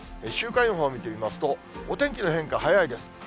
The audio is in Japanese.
週間予報を見てみますと、お天気の変化早いです。